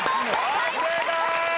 はい正解！